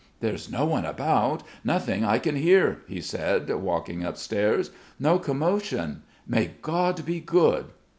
"There's no one about, nothing I can hear," he said walking upstairs. "No commotion. May God be good!"